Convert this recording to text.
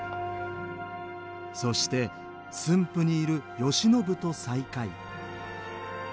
そして駿府にいる慶喜と再会。